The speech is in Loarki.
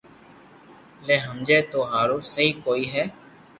ني ھمجي تو تو ھارون سھي ڪوئي ھي